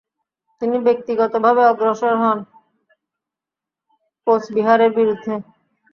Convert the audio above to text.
তিনি ব্যক্তিগতভাবে অগ্রসর হন কোচবিহারের বিরুদ্ধে।